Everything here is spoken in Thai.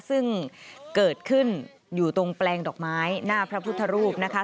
ซึ่งเกิดขึ้นอยู่ตรงแปลงดอกไม้หน้าพระพุทธรูปนะคะ